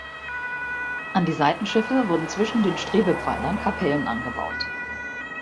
An die Seitenschiffe wurden zwischen den Strebepfeilern Kapellen angebaut.